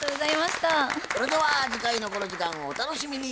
それでは次回のこの時間をお楽しみに。